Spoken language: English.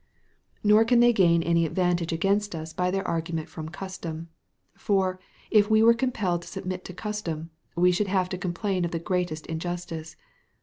Nor can they gain any advantage against us by their argument from custom; for, if we were compelled to submit to custom, we should have to complain of the greatest injustice.